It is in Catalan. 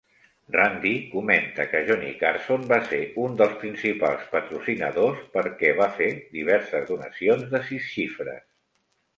Randi comenta que Johnny Carson va ser un dels principals patrocinadors, perquè va fer diverses donacions de sis xifres.